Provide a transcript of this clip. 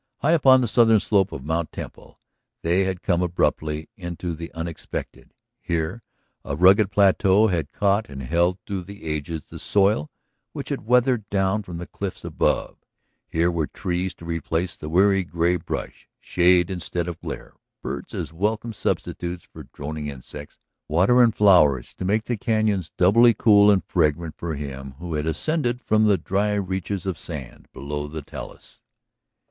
High upon the southern slope of Mt. Temple they had come abruptly into the unexpected. Here a rugged plateau had caught and held through the ages the soil which had weathered down from the cliffs above; here were trees to replace the weary gray brush, shade instead of glare, birds as welcome substitutes for droning insects, water and flowers to make the cañons doubly cool and fragrant for him who had ascended from the dry reaches of sand below the talus.